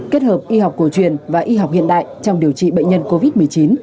kết hợp y học cổ truyền và y học hiện đại trong điều trị bệnh nhân covid một mươi chín